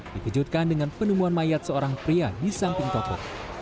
dikejutkan dengan penemuan mayat seorang pria di samping toko